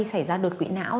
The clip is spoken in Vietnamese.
không may xảy ra đột quỵ não